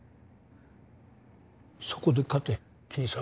そこで勝て桐沢。